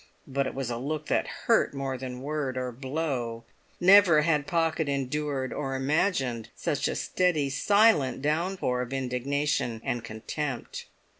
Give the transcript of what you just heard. But it was a look that hurt more than word or blow; never had poor Pocket endured or imagined such a steady, silent downpour of indignation and contempt.